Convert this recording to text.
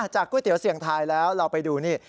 ก๋วยเตี๋ยวเสี่ยงทายแล้วเราไปดูนี่